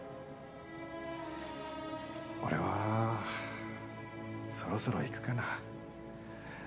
俺はそろそろ行くかな。